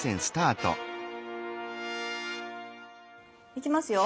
いきますよ。